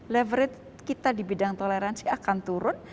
leverage kita di bidang toleransi akan turun